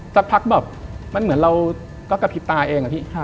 สักพักแบบมันเหมือนเราก็กระพริบตาเองอะพี่